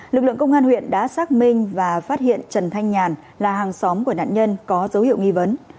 lực lượng công an huyện đã xác minh và phát hiện trần thanh nhàn là hàng xóm của nạn nhân có dấu hiệu nghi vấn